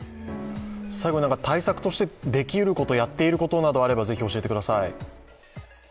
最後に対策としてできうること、やっていることがあればぜひ教えてください。